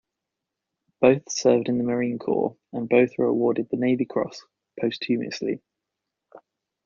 Both served in the Marine Corps, and both were awarded the Navy Cross, posthumously.